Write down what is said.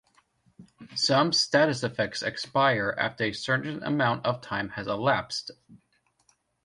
Some status effects expire after a certain amount of time has elapsed.